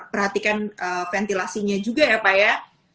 perhatikan ventilasinya juga ya pak ya